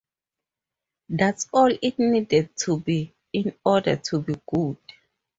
That’s all it needed to be in order to be good.